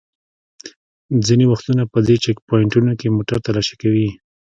ځینې وختونه په دې چېک پواینټونو کې موټر تالاشي کوي.